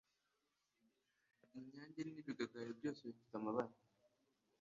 inyange n'ibigagari byoze bifite amababa